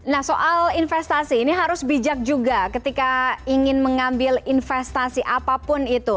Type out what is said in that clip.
nah soal investasi ini harus bijak juga ketika ingin mengambil investasi apapun itu